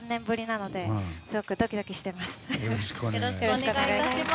よろしくお願いします。